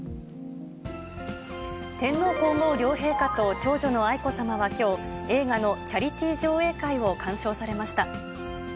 天皇皇后両陛下と長女の愛子さまはきょう、映画のチャリティー上映会を鑑賞されました。